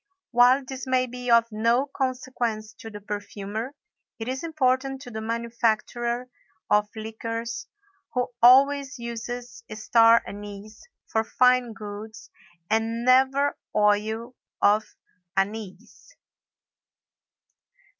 While this may be of no consequence to the perfumer, it is important to the manufacturer of liqueurs who always uses star anise for fine goods and never oil of anise.